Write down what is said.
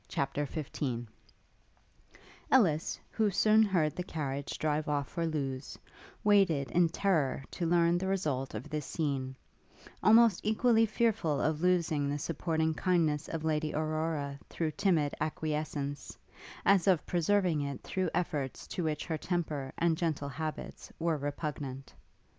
CHAPTER XV Ellis, who soon heard the carriage drive off for Lewes, waited in terrour to learn the result of this scene; almost equally fearful of losing the supporting kindness of Lady Aurora through timid acquiescence, as of preserving it through efforts to which her temper and gentle habits were repugnant.